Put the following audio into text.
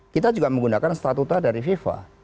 kita juga menggunakan statuta dari fifa